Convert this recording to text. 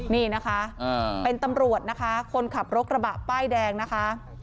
นี่นะคะเป็นตำรวจนะคะคนขับรถกระบะป้ายแดงนะคะ